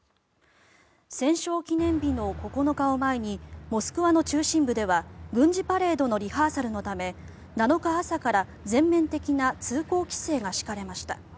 戦勝記念日の９日を前にモスクワの中心部では軍事パレードのリハーサルのため７日朝から全面的な通行規制が敷かれました。